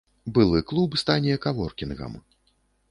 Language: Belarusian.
Былы клуб стане каворкінгам.